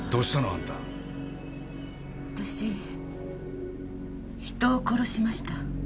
あたし人を殺しました。